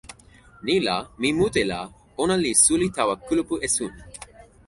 ni la, mi mute la ona li suli tawa kulupu esun.